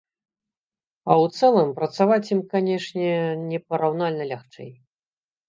А ў цэлым працаваць ім, канечне, непараўнальна лягчэй.